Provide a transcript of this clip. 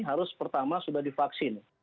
harus pertama sudah divaksin